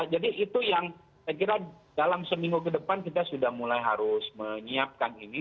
jadi itu yang saya kira dalam seminggu ke depan kita sudah mulai harus menyiapkan ini